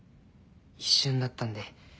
一瞬だったんで。